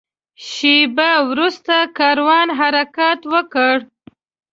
شېبه وروسته کاروان حرکت وکړ.